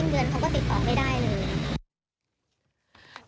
จิ้มเงินเขาก็ติดต่อไม่ได้เลย